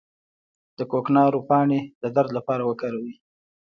د کوکنارو پاڼې د درد لپاره وکاروئ